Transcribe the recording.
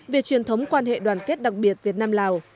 về truyền thống quan hệ đoàn kết đặc biệt việt nam lào